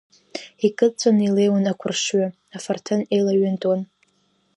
Икыдҵәаны илеиуан ақәыршҩы, афарҭын еилаҩынтуан.